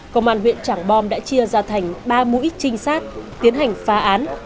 công an huyện trảng bom đã chia ra thành ba mũi trinh sát tiến hành phá án